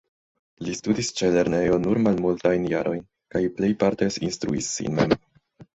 Li studis ĉe lernejo nur malmultajn jarojn, kaj plejparte instruis sin mem.